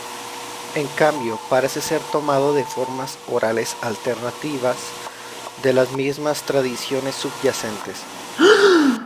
En cambio, parece ser tomado de formas orales alternativas de las mismas tradiciones subyacentes.